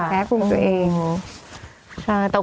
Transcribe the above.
แพ้ภูมิตัวเอง